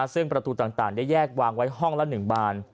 ซึ่งประตูต่างได้แยกวางไว้ห้องละ๑บาน